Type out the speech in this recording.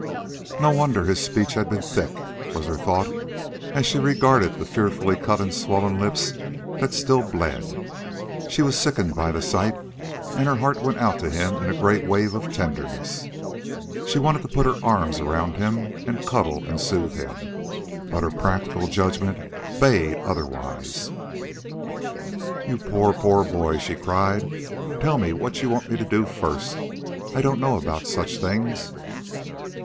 No wonder his speech had been thick, was her thought, as she regarded the fearfully cut and swollen lips that still bled. She was sickened by the sight, and her heart went out to him in a great wave of tenderness. She wanted to put her arms around him, and cuddle and soothe him; but her practical judgment bade otherwise. "You poor, poor boy," she cried. "Tell me what you want me to do first. I don't know about such things."